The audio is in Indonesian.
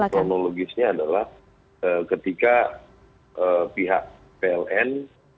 kronologisnya adalah ketika pihak pln